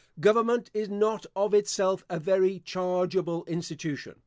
Government is not of itself a very chargeable institution.